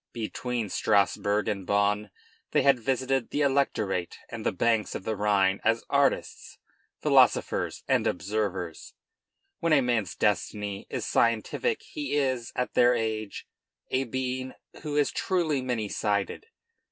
Between Strasburg and Bonn they had visited the Electorate and the banks of the Rhine as artists, philosophers, and observers. When a man's destiny is scientific he is, at their age, a being who is truly many sided.